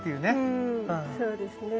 うんそうですね。